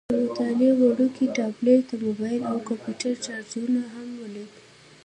د مطالعې وړوکی ټابلیټ، د موبایل او کمپیوټر چارجرونه هم ولیدل.